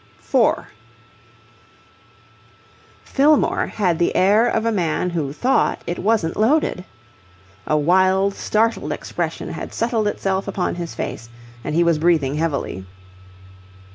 4 Fillmore had the air of a man who thought it wasn't loaded. A wild, startled expression had settled itself upon his face and he was breathing heavily.